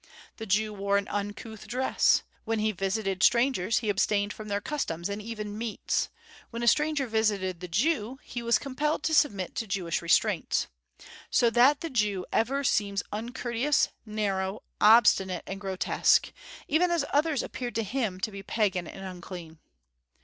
The Jew wore an uncouth dress. When he visited strangers he abstained from their customs, and even meats. When a stranger visited the Jew he was compelled to submit to Jewish restraints. So that the Jew ever seems uncourteous, narrow, obstinate, and grotesque: even as others appeared to him to be pagan and unclean.